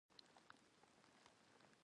موږ په بې ګټې جګړو وخت ضایع کوو.